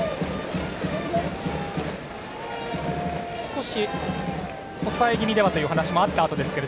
少し抑え気味ではというお話があったあとですが。